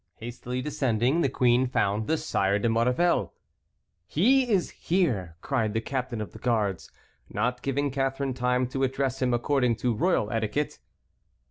Hastily descending, the queen found the Sire de Maurevel. "He is here!" cried the ancient captain of the guards, not giving Catharine time to address him, according to royal etiquette.